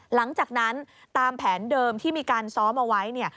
หลังจากนั้นตามแผนเดิมที่มีการซ้อมเอาไว้เนี่ย